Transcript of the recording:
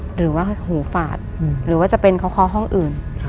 หรือว่าหูฝาดหรือว่าจะเป็นเคาะห้องอื่น